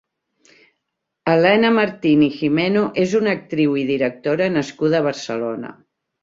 Elena Martín i Gimeno és una actriu i directora nascuda a Barcelona.